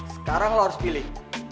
sekarang lo harus pilih